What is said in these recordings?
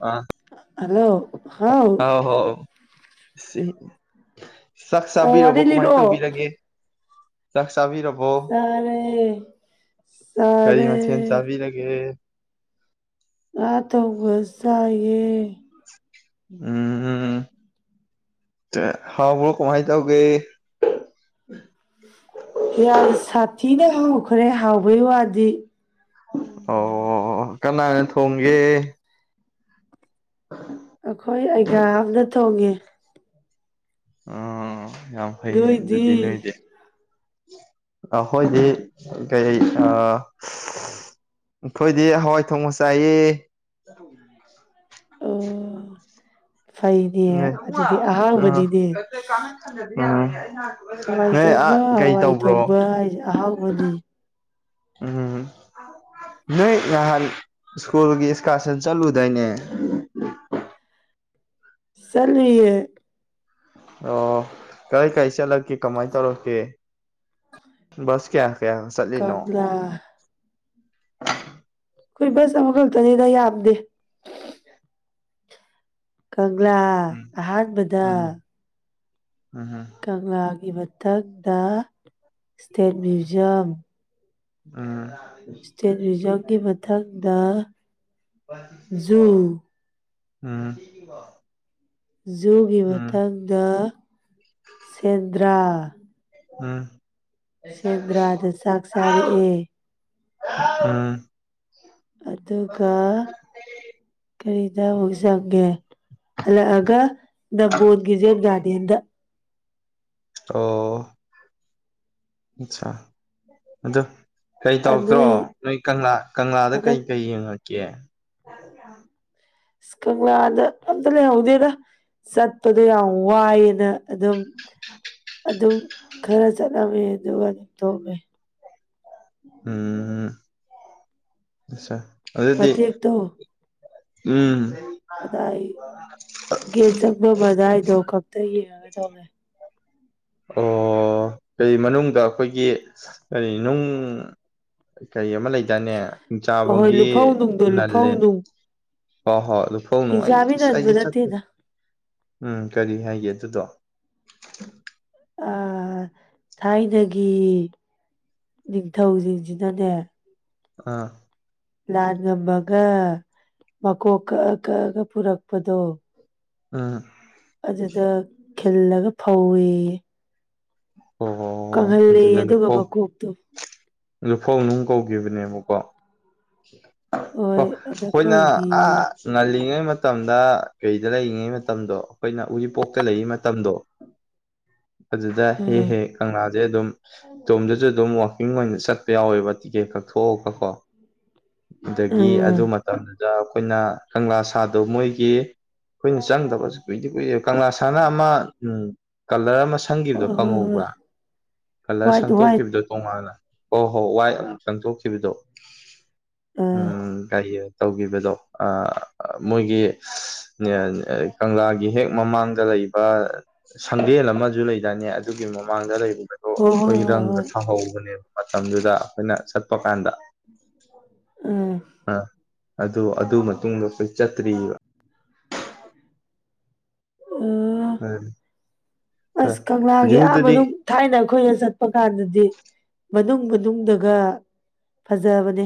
ꯑ ꯍꯜꯂꯣ ꯍꯥꯎ ꯑꯥꯎ ꯍꯥꯎ ꯁꯤ ꯁꯛ ꯆꯥꯕꯤꯔꯕꯣ ꯋꯥꯔꯤ ꯀꯃꯥꯏꯅ ꯂꯤꯔꯛꯑꯣ ꯇꯧꯕꯤꯔꯒꯦ ꯆꯥꯛ ꯆꯥꯕꯤꯔꯕꯣ ꯆꯥꯔꯦ ꯀꯔꯤ ꯃꯊꯦꯜ ꯆꯥꯔꯦ ꯆꯥꯕꯤꯔꯒꯦ ꯑ ꯇꯧꯕ ꯆꯌꯦ ꯎꯝ ꯎꯝ ꯍꯔꯕꯨꯔ ꯀꯃꯥꯏ ꯇꯥꯎꯒꯦ ꯎꯝ ꯌꯥꯝ ꯌꯥꯝ ꯁꯥꯊꯤꯅ ꯍꯥꯎꯈ꯭ꯔꯦ ꯍꯥꯎꯕꯩ ꯋꯥꯗꯤ ꯑꯣ ꯀꯅꯥꯅ ꯊꯣꯡꯒꯦ ꯍ ꯑꯩꯈꯣꯏ ꯑꯩꯒꯥ ꯑꯃꯅ ꯊꯣꯡꯉꯦ ꯑꯣ ꯌꯥꯝ ꯐꯩꯅꯦ ꯑꯗꯨꯗꯤ ꯅꯣꯏꯗꯤ ꯅꯣꯏꯗꯤ ꯑꯩꯈꯣꯏꯗꯤ ꯀꯩ ꯑꯩꯈꯣꯏꯗꯤ ꯍꯋꯥꯏ ꯊꯣꯡꯕ ꯆꯥꯏꯌꯦ ꯑꯗꯨ [inaudible] ꯑꯣ ꯐꯩꯅꯦ ꯎꯝ ꯑꯗꯨꯗꯤ ꯑꯍꯥꯡꯕꯅꯤꯅꯦ ꯎꯝ ꯅꯣꯏ ꯑꯥ ꯊꯣꯡꯕ ꯀꯩ ꯍꯋꯥꯏ ꯇꯧꯕ꯭ꯔꯣ ꯊꯣꯡꯕ ꯍꯥꯏꯁꯦ ꯑꯍꯥꯎꯕꯅꯤ ꯎꯝ ꯅꯣꯏ ꯅꯍꯥꯟ ꯁ꯭ꯀꯨꯜꯒꯤ ꯏꯁꯀꯥꯁꯟ ꯆꯠꯂꯨꯗꯥꯏꯅꯦ ꯆꯥꯠꯂꯨꯏꯌꯦ ꯑꯣ ꯀꯥꯏ ꯀꯔꯤ ꯆꯠꯂꯛꯀꯦ ꯀꯃꯥꯏꯅ ꯇꯧꯔꯛꯀꯦ ꯕꯁ ꯀꯌꯥ ꯀꯌꯥ ꯆꯠꯂꯤꯅꯣ ꯀꯒꯂꯥ ꯑꯩꯈꯣꯏ ꯕꯁ ꯑꯃꯈꯛꯇꯅꯤꯗ ꯌꯥꯝꯗꯦ ꯀꯪꯂꯥ ꯎꯝ ꯑꯍꯥꯟꯕꯗ ꯎꯝ ꯎꯝ ꯍꯝ ꯀꯪꯂꯥꯒꯤ ꯃꯊꯛꯇ ꯏꯁꯇꯦꯠ ꯃ꯭ꯌꯨꯖꯝ ꯎꯝ ꯏꯁꯇꯦꯠ ꯃ꯭ꯌꯨꯖꯝꯒꯤ ꯃꯊꯪꯗ ꯖꯨ ꯎꯝ ꯖꯨꯒꯤ ꯎꯝ ꯃꯊꯪꯗ ꯁꯦꯟꯗ꯭ꯔꯥ ꯎꯝ ꯁꯦꯟꯗ꯭ꯔꯥꯗ ꯆꯥꯛ ꯆꯥꯔꯛꯑꯦ ꯎꯝ ꯑꯗꯨꯒ ꯀꯔꯤꯗ ꯑꯃꯨꯛ ꯆꯪꯉꯦ ꯍꯜꯂꯛꯑꯒ ꯅꯝꯕꯣꯜꯒꯤꯖꯦꯠ ꯒꯥꯔꯗꯦꯟꯗ ꯑꯣ ꯑꯆꯥ ꯑꯗꯣ ꯀꯩ ꯇꯧꯗ꯭ꯔꯣ ꯅꯣꯏ ꯅꯣꯏ ꯀꯪꯂꯥ ꯀꯪꯂꯥꯗ ꯀꯩ ꯍꯟꯗꯛ ꯀꯩ ꯌꯦꯡꯉꯛꯀꯦ ꯀꯪꯂꯥꯗ ꯑꯝꯇꯥ ꯂꯩꯍꯧꯗꯦꯗ ꯆꯠꯄꯗꯣ ꯌꯥꯝ ꯋꯥꯏꯌꯦꯅ ꯑꯗꯨꯝ ꯑꯗꯨꯝ ꯈꯔ ꯆꯠꯂꯝꯃꯦ ꯑꯗꯨꯒ ꯑꯗꯨꯝ ꯊꯣꯝꯃꯦ ꯎꯝ ꯑꯆꯥ ꯑꯗꯨꯗꯤ ꯃꯇꯦꯛꯇꯣ ꯎꯝ ꯑꯗꯥꯏ ꯒꯦꯠ ꯆꯪꯐꯝꯗꯥꯏꯗꯣ ꯈꯛꯇ ꯌꯦꯡꯉꯗꯧꯅꯤ ꯑꯣ ꯀꯩ ꯃꯅꯨꯡꯗ ꯑꯩꯈꯣꯏꯒꯤ ꯀꯔꯤ ꯅꯨꯡ ꯀꯩ ꯑꯃ ꯂꯩ ꯂꯩꯗꯥꯏꯅꯦ ꯍꯣꯏ ꯍꯣꯏ ꯍꯤꯡꯆꯥꯕꯒꯤ ꯂꯨꯐꯧ ꯅꯨꯡꯗꯣ ꯂꯨꯐꯧ ꯅꯂꯦ ꯅꯨꯡ ꯍꯣꯏ ꯍꯣꯏ ꯑꯗꯨ ꯐꯧ ꯅꯨꯡ ꯑꯦꯛꯖꯥꯝꯒꯤ ꯑꯁ ꯅꯟꯕ ꯑꯩꯗꯤ ꯆꯀꯦ ꯅꯠꯇꯦꯗ ꯎꯝ ꯀꯔꯤ ꯍꯥꯏꯒꯦ ꯑꯗꯨꯗꯣ ꯑ ꯊꯥꯏꯅꯒꯤ ꯅꯤꯡꯊꯧꯁꯤꯡꯁꯤꯅꯅꯦ ꯑꯥ ꯂꯥꯟ ꯉꯝꯃꯒ ꯃꯀꯣꯛ ꯀꯛꯑ ꯀꯛꯑꯒ ꯄꯨꯔꯛꯄꯗꯣ ꯎꯝ ꯑꯗꯨꯗ ꯈꯤꯜꯂꯒ ꯐꯧꯏꯤ ꯍꯣꯏ ꯍꯣꯏ ꯍꯣꯏ ꯀꯪꯍꯜꯂꯤ ꯑꯗꯨꯗ ꯑꯗꯨꯒ ꯂꯨꯐꯧ ꯃꯀꯣꯛꯇꯣ ꯂꯨꯐꯧ ꯅꯨꯡ ꯀꯧꯈꯤꯕꯅꯦꯕꯀꯣ ꯑꯣ ꯍꯣꯏ ꯑꯗ ꯑꯩꯈꯣꯏꯅ ꯀꯧꯒꯦꯌꯦ ꯑꯥ ꯉꯜꯂꯤꯉꯩ ꯃꯇꯝꯗ ꯀꯩꯗ ꯂꯩꯔꯤꯉꯩ ꯃꯇꯝꯗꯣ ꯑꯩꯈꯣꯏꯅ ꯎꯔꯤꯄꯣꯛꯇ ꯂꯩꯔꯤ ꯃꯇꯝꯗꯣ ꯑꯗꯨꯗ ꯍꯦꯛ ꯑꯥ ꯍꯦꯛ ꯀꯪꯂꯥꯗꯩꯩ ꯑꯗꯨꯝ ꯏꯇꯣꯝꯗꯁꯨ ꯑꯗꯨꯝ ꯋꯥꯋꯥꯛꯀꯤꯡ ꯑꯣꯏꯅ ꯆꯠꯄ ꯌꯥꯎꯋꯦꯕ ꯇꯤꯛꯀꯦꯠ ꯀꯛꯊꯑꯒ ꯀꯣ ꯑꯗꯒꯤ ꯑꯥ ꯑꯗꯨ ꯃꯇꯝꯗꯨꯗ ꯑꯩꯈꯣꯏꯅ ꯀꯪꯂꯥ ꯁꯥꯗꯣ ꯃꯣꯏꯒꯤ ꯑꯩꯈꯣꯏꯅ ꯆꯪꯗꯕꯁꯨ ꯀꯨꯏꯗꯤ ꯀꯨꯏꯔꯦ ꯀꯪꯂꯥ ꯁꯥꯟꯅ ꯑꯃ ꯀꯂꯔ ꯑꯃ ꯁꯪꯈꯤꯕꯗꯣ ꯍꯣꯏ ꯍꯣꯏ ꯍꯣꯏ ꯈꯪꯍꯧꯕ꯭ꯔꯥ ꯀꯂꯔ ꯋꯥꯏꯠ ꯋꯥꯏꯠ ꯁꯪꯇꯣꯛꯈꯤꯕꯗ ꯇꯣꯉꯥꯟꯅ ꯍꯣ ꯍꯣ ꯋꯥꯏ ꯑꯃꯨꯛ ꯆꯪꯊꯣꯛꯈꯤꯕꯗꯣ ꯑꯥ ꯎꯝ ꯀꯔꯤ ꯇꯧꯒꯤꯕꯗꯣ ꯃꯣꯏꯒꯤ [unintelligible] ꯀꯪꯂꯥꯒꯤ ꯍꯦꯛ ꯃꯃꯥꯡꯗ ꯂꯩꯕ ꯁꯪꯗꯦꯜ ꯑꯃꯁꯨ ꯂꯩꯗꯥꯅꯦ ꯑꯗꯨꯒꯤ ꯃꯃꯥꯡꯗ ꯂꯩꯕꯗꯣ ꯍꯣꯏ ꯑꯩꯈꯣꯏ ꯍꯣꯏ ꯍꯣꯏ ꯔꯪꯒ ꯍꯣꯏ ꯊꯥꯍꯧꯕꯅꯦꯕ ꯃꯇꯝꯗꯨꯗ ꯑꯩꯈꯣꯏꯅ ꯆꯠꯄ ꯀꯥꯟꯗ [inaudible] ꯎꯝ ꯑꯥ ꯑꯗꯨ ꯑꯗꯨ ꯃꯇꯨꯡꯗ ꯑꯩꯈꯣꯏ ꯆꯠꯇ꯭ꯔꯤꯕ ꯎꯝ [unintelligible] ꯑꯁ ꯀꯪꯂꯥꯒꯤ ꯖꯨꯗꯗꯤ ꯑꯥꯃꯅꯨꯡ ꯊꯥꯏꯅ ꯑꯩꯈꯣꯏꯅ ꯆꯠꯄ ꯀꯥꯟꯗꯗꯤ ꯃꯅꯨꯡ ꯃꯅꯨꯡꯗꯒ ꯐꯖꯕꯅꯦ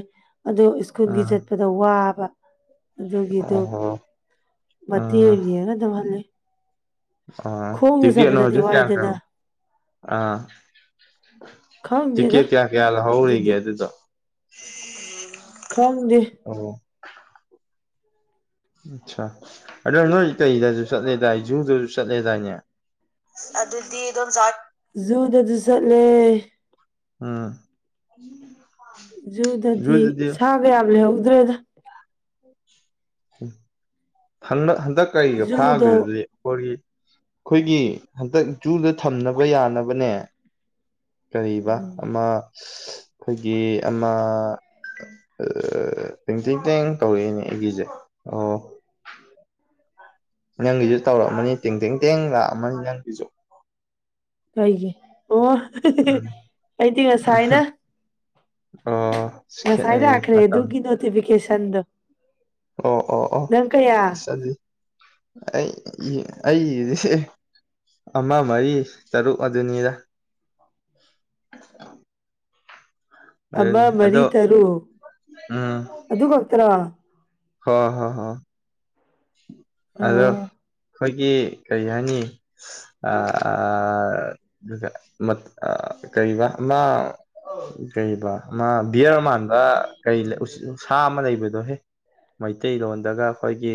ꯑꯗꯨ ꯁ꯭ꯀꯨꯜꯒꯤ ꯑꯥ ꯆꯠꯄꯗ ꯋꯥꯕ ꯑꯗꯨꯒꯤꯗꯨ ꯑꯣꯍꯣ ꯑꯥ ꯃꯇꯦꯛ ꯌꯦꯉꯥ ꯑꯗꯨꯝ ꯍꯜꯂꯩ ꯑꯥ ꯇꯤꯀꯦ ꯅ ꯆꯠꯄꯗꯗꯤ ꯍꯧꯖꯤ ꯀꯌꯥ ꯋꯥꯏꯗꯅ [unintelligible] ꯑꯥ ꯇꯤꯀꯦ ꯈꯪꯗꯦꯗ ꯀꯌꯥ ꯀꯌꯥ ꯂꯍꯧꯅꯤꯒꯦ ꯑꯗꯨꯗꯤ ꯑꯗꯨꯗꯣ ꯈꯪꯗꯦ ꯑꯣ ꯑꯆꯥ ꯑꯗꯣ ꯅꯣꯏꯇꯩꯗꯁꯨ ꯆꯠꯂꯦꯗꯥꯏ ꯖꯨꯗꯁꯨ ꯆꯠꯂꯦꯗꯥꯏꯅꯦ ꯑꯗꯨꯗꯤ ꯏꯟꯗꯣꯝꯆꯥ ꯖꯨꯗ ꯑꯗꯨ ꯆꯠꯂꯦ ꯎꯝ ꯖꯨꯗꯗꯤ ꯁꯥ ꯃꯌꯥꯝ ꯂꯩꯍꯧꯗ꯭ꯔꯦꯗ ꯍꯟꯗ ꯍꯟꯗꯛ ꯀꯩꯒ ꯖꯨꯗꯣ ꯐꯥꯒ꯭ꯔꯤꯗꯨꯗꯤ [unintelligible] ꯑꯩꯈꯣꯏꯒꯤ ꯍꯟꯗꯛ ꯖꯨꯗ ꯊꯝꯅꯕ ꯌꯥꯅꯕꯅꯦ ꯀꯔꯤꯕ ꯎꯝ ꯑꯃ ꯑꯩꯈꯣꯏꯒꯤ ꯑꯃ [unintelligible] ꯇꯦꯡꯇꯦꯡ ꯇꯦꯡ ꯇꯧꯔꯛꯏꯅꯦ ꯑꯩꯒꯤꯁꯦ ꯑꯣ ꯅꯪꯒꯤꯁꯨ ꯇꯧꯔꯛꯑꯥꯝꯃꯅꯤ ꯇꯦꯡ ꯇꯦꯡ ꯇꯦꯡ ꯂꯥꯛꯑꯃꯅꯤ ꯅꯪꯒꯤꯁꯨ ꯀꯩꯒꯤꯑꯣ ꯎꯝ [unintelligible] ꯑꯩꯗꯤ ꯎꯝ ꯉꯁꯥꯏꯅ ꯑꯣ ꯈꯦꯠꯅꯩꯌꯦ ꯉꯁꯥꯏꯂꯥꯛꯈ꯭ꯔꯦ ꯃꯇꯝ ꯑꯗꯨꯒꯤ ꯅꯣꯇꯤꯐꯤꯀꯦꯁꯟꯗ ꯑꯣ ꯑꯣ ꯑꯣ ꯑꯗꯨꯗꯤ ꯑꯩ ꯑꯩꯗꯤ ꯑꯃ ꯃꯔꯤ ꯇꯔꯨꯛ ꯑꯗꯨꯅꯤꯗ ꯑꯃ ꯑꯗꯨꯅꯤ ꯃꯔꯤ ꯑꯗꯣ ꯇꯔꯨꯛ ꯑꯗꯨ ꯈꯛꯇ꯭ꯔꯣ ꯍ ꯍ ꯍ ꯑꯗꯣ ꯑꯥ ꯑꯩꯈꯣꯏꯒꯤ ꯀꯔꯤ ꯍꯥꯏꯅꯤ ꯑ ꯑ [unintelligible] ꯀꯩꯕ ꯃꯥ ꯀꯩꯕꯥ ꯃꯥ ꯕꯤꯌꯔ ꯃꯥꯟꯕ ꯀꯩ ꯁꯥ ꯑꯃ ꯂꯩꯕꯗꯣ ꯍꯦ ꯃꯩꯇꯩꯂꯣꯟꯗꯒ ꯑꯩꯈꯣꯏꯒꯤ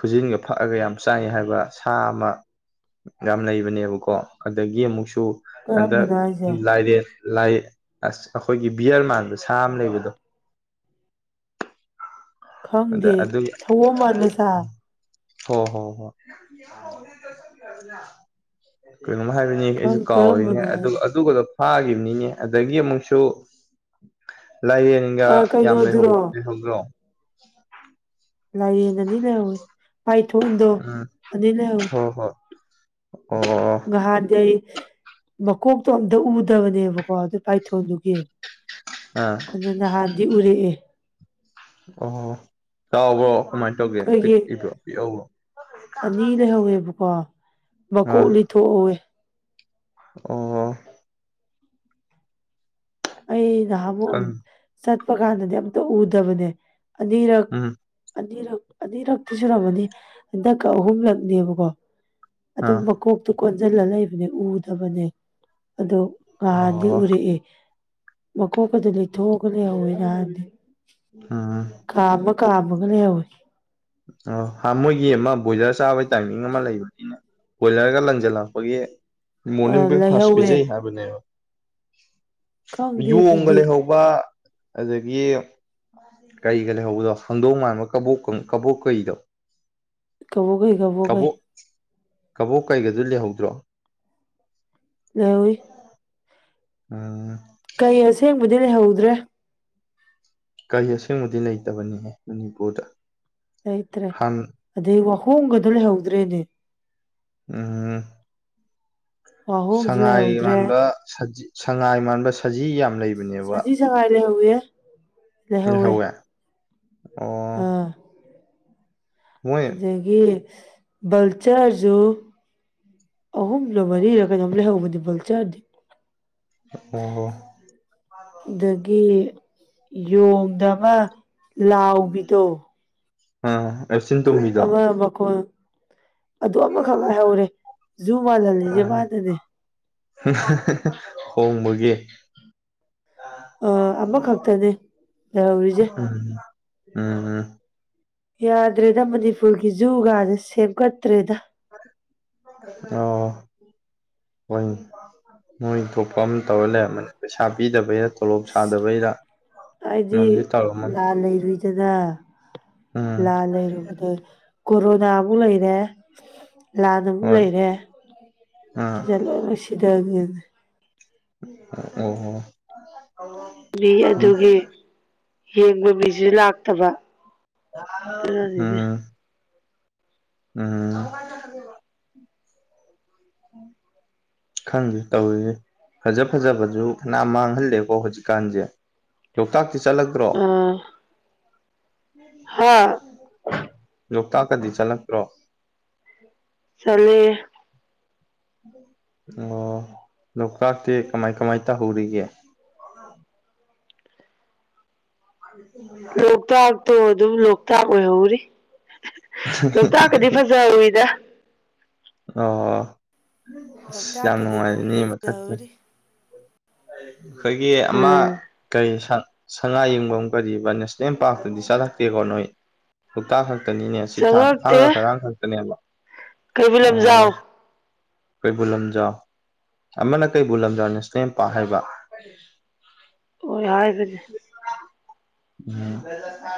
ꯈꯨꯖꯤꯟꯒ ꯐꯛꯑꯒ ꯌꯥꯝ ꯆꯥꯏ ꯍꯥꯏꯕ ꯁꯥ ꯑꯃ ꯌꯥꯝ ꯂꯩꯕꯅꯦꯕꯀꯣ ꯑꯗꯒꯤ ꯑꯃꯨꯛꯁꯨ ꯍꯟꯗꯛ ꯀꯔꯝꯕꯅꯣ ꯍꯥꯏꯁꯦ ꯂꯥꯏꯔꯦ ꯂꯥꯏ ꯑꯁ ꯑꯩꯈꯣꯏꯒꯤ ꯕꯤꯌꯔ ꯃꯥꯟꯕ ꯁꯥ ꯑꯃ ꯂꯩꯕꯗꯣ ꯑꯗ ꯈꯪꯗꯦ ꯑꯗꯨ ꯁꯑꯣꯝ ꯃꯥꯟꯕꯁꯥ ꯍꯣ ꯍꯣ ꯍꯣ [unintelligible] ꯀꯩꯅꯣꯝ ꯍꯥꯏꯕꯅꯤ ꯑꯩꯁꯨ ꯀꯥꯎꯔꯤꯅꯦ ꯀꯔꯝꯕꯅꯣ ꯑꯗꯨꯒ ꯍꯥꯏꯁꯦ ꯑꯗꯨꯒꯗꯨ ꯐꯥꯈꯤꯕꯅꯤꯅꯦ ꯑꯗꯒꯤ ꯑꯃꯨꯛꯁꯨ ꯂꯥꯏꯌꯦꯡ ꯒ ꯑꯥ ꯌꯥꯝ ꯂꯩꯍꯧ ꯀꯩꯅꯣꯗꯨꯔꯣ ꯂꯩꯍꯧꯗ꯭ꯔꯣ ꯂꯥꯏꯌꯦ ꯑꯥꯅꯤ ꯂꯩꯍꯧꯏ ꯄꯥꯏ ꯎꯝ ꯍꯣ ꯍꯣ ꯑꯣ ꯅꯍꯥꯟꯗꯤ ꯑꯩ ꯃꯀꯣꯛꯇꯣ ꯑꯝꯇ ꯎꯗꯕꯅꯦꯕꯀꯣ ꯑꯗꯨ ꯄꯥꯏꯊꯣꯟꯗꯨꯒꯤ ꯑꯥ ꯑꯗꯨ ꯅꯍꯥꯟꯗꯤ ꯎꯔꯛꯑꯦ ꯑꯣ ꯆꯥꯎꯕ꯭ꯔꯣ ꯀꯃꯥꯏꯅ ꯇꯧꯒꯦ ꯑꯩꯈꯣꯏꯒꯤ ꯄꯤꯛꯏꯕ꯭ꯔꯣ ꯄꯤꯛꯕ꯭ꯔꯣ ꯑꯅꯤ ꯂꯩꯍꯧꯋꯦꯕꯀꯣ ꯃꯀꯣꯛ ꯂꯤꯊꯣꯛꯍꯧꯋꯦ ꯎꯝ ꯑꯩ ꯅꯍꯥꯃꯨꯛ ꯆꯠꯄ ꯀꯥꯟꯗꯗꯤ ꯑꯝꯇ ꯎꯗꯕꯅꯦ ꯑꯅꯤꯔꯛ ꯎꯝ ꯑꯅꯤꯔꯛ ꯑꯅꯤꯔꯛꯇꯤ ꯁꯨꯔꯝꯃꯅꯤ ꯍꯟꯗꯛꯀ ꯑꯍꯨꯝꯂꯛꯅꯦꯕꯀꯣ ꯑꯗꯨꯝ ꯑꯥ ꯃꯀꯣꯛꯇꯨ ꯀꯣꯟꯖꯤꯜꯂ ꯂꯩꯕꯅꯦ ꯎꯗꯕꯅꯦ ꯑꯗꯣ ꯉꯍꯥꯟꯗꯤ ꯑꯣ ꯎꯔꯛꯏ ꯃꯀꯣꯛꯀ ꯗꯣ ꯂꯩꯊꯣꯛꯑꯒ ꯂꯩꯍꯧꯋꯦ ꯅꯍꯥꯟꯗꯤ ꯎꯝ ꯀꯥꯝꯃ ꯀꯥꯝꯃꯒ ꯂꯩꯍꯧꯋꯤ ꯑꯣ ꯃꯣꯏꯒꯤ ꯑꯃ ꯕꯣꯏꯂꯔ ꯆꯥꯕꯒꯤ ꯇꯥꯏꯃꯤꯡ ꯑꯃ ꯂꯩꯕꯅꯤꯅꯦ ꯕꯣꯏꯂꯔꯒ ꯂꯪꯖꯜꯂꯛꯄꯒꯤ ꯑ ꯃꯣꯔꯅꯤꯡ ꯕ꯭ꯔꯦꯛꯐꯥꯁ ꯂꯩꯍꯧꯋꯦ ꯄꯤꯖꯩ ꯍꯥꯏꯕꯅꯦꯕ ꯈꯪꯗꯦ ꯌꯣꯡ ꯒ ꯑꯗꯨꯗꯤ ꯂꯩꯍꯧ ꯕꯥ ꯑꯗꯒꯤ ꯀꯩꯒ ꯂꯩꯍꯧꯕꯗꯣ ꯍꯪꯗꯣꯡ ꯃꯥꯟꯕ ꯀꯕꯣꯛꯀꯪ ꯀꯕꯣꯛ ꯀꯩꯗꯣ ꯇꯧꯕꯒꯤ ꯀꯕꯣꯛ ꯀꯕꯣꯛ ꯀꯩꯒꯗꯨ ꯂꯩꯍꯧꯗ꯭ꯔꯣ ꯂꯩꯍꯧꯋꯤ ꯎꯝ ꯀꯩ ꯑꯁꯦꯡꯕꯗꯤ ꯂꯩꯍꯧꯗ꯭ꯔꯦ ꯀꯩ ꯑꯁꯦꯡꯕꯗꯤ ꯂꯩꯇꯕꯅꯤꯍꯦ ꯃꯅꯤꯄꯨꯔꯗ ꯂꯩꯩꯇ꯭ꯔꯦ ꯍꯥꯟ ꯑꯗꯩ ꯋꯥꯍꯣꯡꯒꯗꯨ ꯂꯩꯍꯎꯗ꯭ꯔꯦꯅꯦ ꯎꯝ ꯋꯥꯍꯣꯡꯁꯨ ꯁꯉꯥꯏ ꯂꯩꯍꯧꯗ꯭ꯔꯦ ꯃꯥꯟꯕ ꯁꯉꯥꯏ ꯃꯥꯟꯕ ꯁꯖꯤ ꯌꯥꯝ ꯂꯩꯕꯅꯦꯕ ꯁꯉꯥꯢ ꯂꯩꯍꯧꯏꯍꯦ ꯂꯦꯍꯧꯋꯦ ꯂꯩꯍꯧꯋꯦ ꯑꯣ ꯑꯥ ꯃꯣꯏ ꯑꯗꯒꯤ ꯕꯜꯆꯔꯁꯨ ꯑꯍꯨꯝꯂ ꯃꯔꯤꯔꯣ ꯀꯩꯅꯣꯝ ꯂꯩꯍꯧꯕꯅꯤ ꯕꯜꯆꯔꯗꯤ ꯑꯣ ꯍꯣ ꯑꯗꯒꯤ ꯌꯣꯡꯗ ꯑꯃ ꯂꯥꯎꯕꯤꯗꯣ ꯑ ꯃꯆꯤꯟ ꯀꯨꯛ ꯇꯨꯞꯕꯤꯗꯣ ꯑꯃ ꯃꯈꯣꯟ ꯑꯗꯨ ꯑꯃꯈꯛ ꯉꯥꯏꯍꯧꯔꯦ ꯖꯨ ꯃꯥꯜꯍꯜꯂꯤꯁꯦ ꯃꯥꯗꯅꯦ [unintelligible] ꯈꯣꯡꯕꯒꯤ ꯑꯣ ꯑꯃꯈꯛꯇꯅꯦ ꯂꯩꯍꯧꯔꯤꯁꯦ [inaudible] ꯎꯝ ꯎꯝ ꯌꯥꯗ꯭ꯔꯦꯗ ꯃꯅꯤꯄꯨꯔꯒꯤ ꯖꯨꯒꯥꯥꯁꯦ ꯁꯦꯝꯒꯠꯇ꯭ꯔꯦꯗ ꯑꯣ ꯍꯣꯏꯅꯦ ꯃꯣꯏ ꯊꯣꯛꯄ ꯑꯃ ꯇꯧꯔ ꯂꯩꯔꯝꯃꯅꯤ ꯄꯩꯁꯥ ꯄꯤꯗꯕꯩꯔꯥ ꯑꯩꯗꯤ ꯅꯝꯗꯤ ꯇꯧꯔꯝꯃꯅꯤ ꯂꯥꯟ ꯂꯩꯔꯨꯏꯗꯅ ꯎꯝ ꯂꯥꯜ ꯂꯩꯔꯨꯕꯗ ꯀꯣꯔꯣꯅꯥ ꯑꯃꯨꯛ ꯂꯩꯔꯦ ꯂꯥꯟ ꯑꯃꯨꯛ ꯍꯣꯏ ꯂꯩꯔꯦ ꯎꯝ ꯁꯤꯗ ꯂꯣꯏꯁꯤꯗꯒꯤꯝꯅꯤ ꯑꯣ ꯃꯤ ꯎꯝ ꯑꯗꯨꯒꯤ ꯌꯦꯡꯕ ꯃꯤꯁꯨ ꯂꯥꯛꯇꯕ ꯑꯗꯨꯅꯅꯤꯅꯦ ꯎꯝ ꯎꯝ [inaudible] ꯈꯪꯗ ꯇꯧꯔꯤꯖꯦ ꯐꯖ ꯐꯖꯕꯁꯨ ꯐꯅꯥꯝ ꯃꯥꯡꯍꯜꯂꯦꯀꯣ ꯍꯧꯖꯤꯛꯀꯥꯟꯁꯦ ꯂꯣꯛꯇꯥꯛꯇꯤ ꯆꯠꯂꯛꯇ꯭ꯔꯣ ꯑꯥ ꯍꯥ ꯂꯣꯛꯇꯥꯛꯀꯗꯤ ꯆꯠꯂꯛꯇ꯭ꯔꯣ ꯆꯂꯦ ꯑꯣ ꯂꯣꯛꯇꯥꯛꯇꯤ ꯀꯃꯥꯏ ꯀꯃꯥꯏ ꯇꯧꯍꯧꯔꯤꯒꯦ ꯑꯗꯨ ꯂꯣꯛꯇꯥꯛꯇꯣ ꯑꯗꯨꯝ ꯂꯣꯛꯇꯥꯛ ꯑꯣꯏꯍꯧꯔꯤ ꯂꯣꯛꯇꯥꯛꯀꯗꯤ ꯐꯖꯔꯨꯏꯗ ꯑꯣ ꯍꯣꯏ ꯑꯁ ꯌꯥꯝ ꯂꯣꯛꯇꯥꯛꯀꯗꯤ ꯑꯗꯨꯝ ꯅꯨꯡꯉꯥꯏꯖꯅꯦ ꯑꯃ ꯃꯊꯛꯀꯤꯦ ꯐꯖꯍꯧꯔꯤ ꯑꯩꯈꯣꯏꯒꯤ ꯑꯃ ꯎꯝ ꯀꯩ ꯁꯉꯥꯏ ꯌꯦꯡꯐꯝ ꯀꯔꯤꯕ ꯅꯦꯁꯅꯦꯜ ꯄꯥꯔꯛꯇꯨꯗꯤ ꯆꯠꯂꯛꯇꯦꯀꯣ ꯅꯣꯏ ꯂꯣꯛꯇꯥꯛ ꯈꯛꯇꯅꯤꯅꯦ ꯁꯤ ꯊꯥꯡ ꯆꯪꯉꯛꯇꯦ ꯊꯥꯡꯒ ꯈꯔꯥꯡ ꯈꯛꯇꯅꯦꯕ ꯀꯩꯕꯨꯜ ꯑꯣ ꯂꯝꯖꯥꯎ ꯀꯩꯕꯨꯜ ꯂꯝꯖꯥꯎ ꯑꯃꯅ ꯀꯩꯕꯨꯜ ꯂꯝꯖꯥꯎ ꯅꯦꯁꯅꯦꯜ ꯄꯥꯔ ꯍꯥꯏꯕ ꯀ ꯍꯣꯏ ꯍꯥꯏꯒꯅꯤ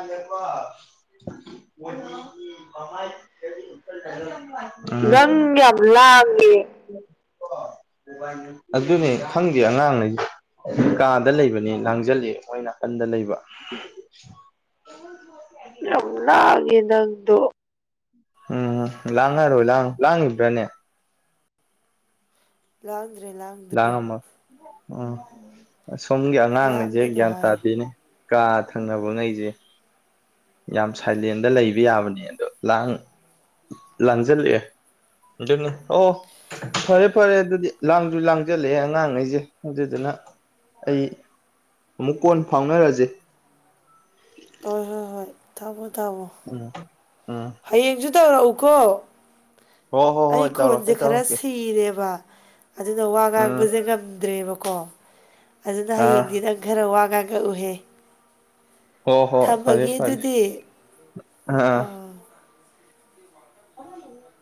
ꯖꯦꯀ [unintelligible] ꯗꯪ ꯌꯥꯝ ꯂꯥꯑꯦ ꯑꯗꯨꯅꯤ ꯈꯪꯗꯦ ꯑꯉꯥꯡꯉꯁ ꯀꯥꯗ ꯂꯩꯕꯅꯦ ꯂꯥꯡꯁꯤꯜꯂꯤ ꯃꯣꯏ ꯅꯥꯀꯟꯗ ꯂꯩꯕ ꯆꯅꯒꯗꯗꯨ ꯎꯝ ꯂꯥꯡꯉꯔꯣꯏ ꯂ ꯂꯥꯡꯉꯕ꯭ꯔꯅꯦ ꯂꯎꯗ꯭ꯔꯔꯤꯂ ꯂꯥꯡꯝꯃ ꯎꯝ ꯁꯣꯝꯒꯤ ꯑꯉꯥꯡꯅꯤꯁꯦ ꯂꯥꯡꯒꯅꯨ ꯒ꯭ꯌꯥꯟ ꯍꯥꯏꯌꯨ ꯇꯥꯗꯦꯅꯦ ꯀꯥ ꯊꯪꯅꯕ ꯉ ꯑꯩꯁꯦ ꯌꯥꯝ ꯁꯥꯏꯂꯦꯟꯗ ꯂꯩꯕ ꯌꯥꯕꯅꯦ ꯑꯗꯣ ꯂꯥꯡ ꯂꯥꯡꯁꯤꯜꯂꯛꯑꯦ ꯖꯅꯤ ꯑꯣ ꯐꯔꯦ ꯐꯔꯦ ꯑꯗꯨꯗꯤ ꯂꯥꯡꯁꯨ ꯂꯥꯡꯖꯜꯂꯛꯑꯦ ꯑꯉꯥꯡꯈꯩꯁꯦ ꯑꯗꯨꯗꯨꯅ ꯑꯩ ꯑꯃꯨꯛ ꯀꯣꯟ ꯐꯥꯎꯅꯔꯁꯦ ꯍꯣꯏ ꯍꯣꯏ ꯍꯣꯏ ꯊꯥꯣ ꯊꯥꯑꯣꯣ ꯎꯝ ꯎꯝ ꯍꯌꯦꯡꯁꯨ ꯇꯧꯔꯛꯎꯀꯣ ꯍꯣ ꯍꯣ ꯑꯩ ꯍꯣꯏ ꯇꯧꯔꯛꯀꯦ ꯈꯣꯟꯁꯦ ꯈꯔ ꯇꯧꯔꯛꯀꯦ ꯁꯤꯔꯦꯕ ꯑꯗꯨꯅ ꯋꯥ ꯎꯝ ꯉꯥꯡꯕꯁꯦ ꯉꯝꯗ꯭ꯔꯦꯕꯀꯣ ꯑꯗꯨꯅ ꯑꯥ ꯍꯌꯦꯡꯗꯤ ꯅꯪ ꯈꯔ ꯋꯥꯒ ꯀꯛꯎꯍꯦ ꯍ ꯍꯣ ꯐꯔꯦ ꯐꯔꯦ ꯑꯗꯨꯗꯤ ꯑꯥ ꯎ